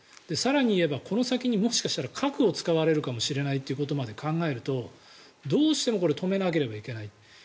更に言えばこの先にもしかしたら核を使われるかもしれないということまで考えるとどうしてもこれは止めなければいけない。